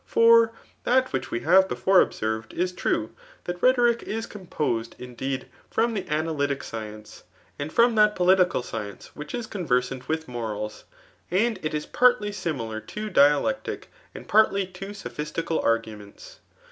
For that which ! wc have before observed is true, that rhetoric is composed indeed from the analytic science, and from that political science which is conver siant with morals ; and it is partly simflar todtlllectic; ttid partly to soplustical arguments.